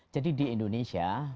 jadi di indonesia